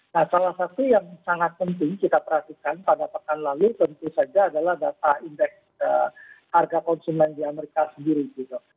nah salah satu yang sangat penting kita perhatikan pada pekan lalu tentu saja adalah data indeks harga konsumen di amerika sendiri gitu